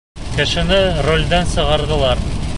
Кешене ролдән сығарҙылар!